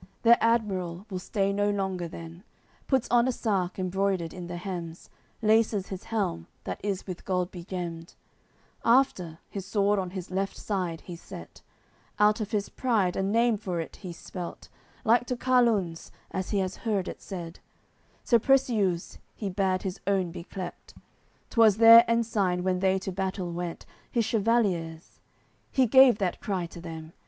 Their admiral will stay no longer then; Puts on a sark, embroidered in the hems, Laces his helm, that is with gold begemmed; After, his sword on his left side he's set, Out of his pride a name for it he's spelt Like to Carlun's, as he has heard it said, So Preciuse he bad his own be clept; Twas their ensign when they to battle went, His chevaliers'; he gave that cry to them.